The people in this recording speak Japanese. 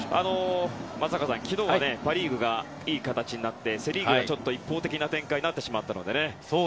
松坂さん、昨日はパ・リーグがいい形になってセ・リーグはちょっと一方的な展開になってしまったので。